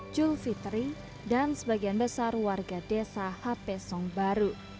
jul fitri dan sebagian besar warga desa hapesong baru